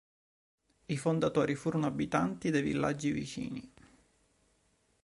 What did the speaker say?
I fondatori furono abitanti dei villaggi vicini.